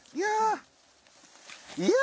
いや！